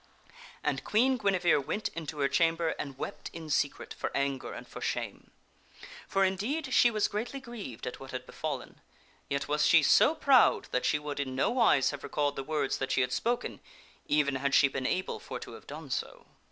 And Queen Guinevere went into her cham ber and wept in secret for anger and for shame. For indeed she was great ly grieved at what had befallen ; yet was she so proud that she would in no wise have recalled the words that she had spoken, even had she been able for to have done so.